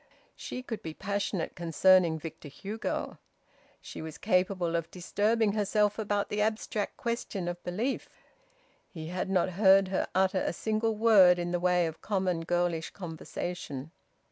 She could be passionate concerning Victor Hugo. She was capable of disturbing herself about the abstract question of belief. He had not heard her utter a single word in the way of common girlish conversation.